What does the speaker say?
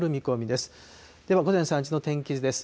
では午前３時の天気図です。